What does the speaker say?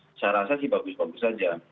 saya rasa sih bagus bagus saja